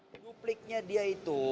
dulu dupliknya dia itu